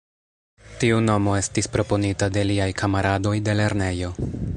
Tiu nomo estis proponita de liaj kamaradoj de lernejo.